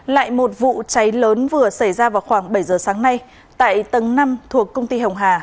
lại một vụ cháy lớn vừa xảy ra vào khoảng bảy giờ sáng nay tại tầng năm thuộc công ty hồng hà